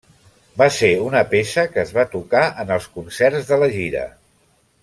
Va ser una peça que es va tocar en els concerts de la gira.